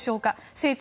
聖地